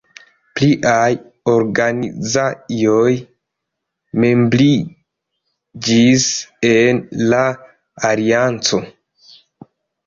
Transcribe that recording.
Pliaj organizaĵoj membriĝis en la alianco.